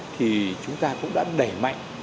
thì chúng ta cũng đã đẩy mạnh